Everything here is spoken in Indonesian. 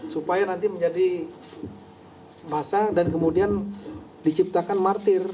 supaya nanti menjadi masa dan kemudian diciptakan martir